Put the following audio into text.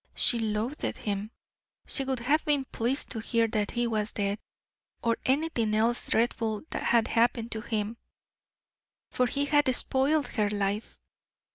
She loathed him; she would have been pleased to hear that he was dead, or anything else dreadful had happened to him, for he had spoiled her life.